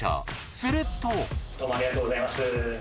するとどうもありがとうございます。